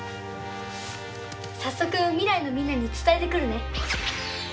早速未来のみんなに伝えてくるね。